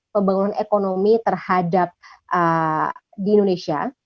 pembangunan ekonomi terhadap di indonesia